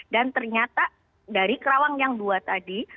dan ternyata dari kerawang yang dua tadi